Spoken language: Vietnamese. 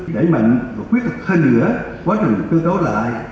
đẩy mạnh và quyết định hơn nữa quá trình cơ cấu lại